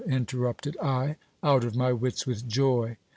interrupted I, out of my wits with joy.